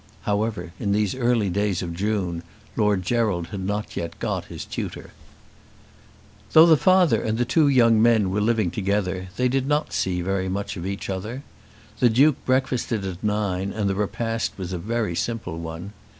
However in these early days of June Lord Gerald had not yet got his tutor. Though the father and the two young men were living together they did not see very much of each other. The Duke breakfasted at nine and the repast was a very simple one.